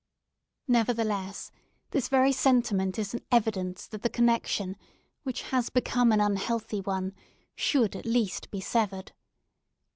Nevertheless, this very sentiment is an evidence that the connexion, which has become an unhealthy one, should at last be severed.